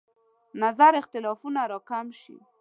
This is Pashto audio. نظر اختلافونه راکم شي.